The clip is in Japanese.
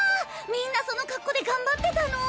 みんなその格好で頑張ってたの？